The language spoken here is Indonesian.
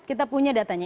kita punya datanya